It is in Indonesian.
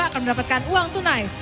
kedapatkan uang tunai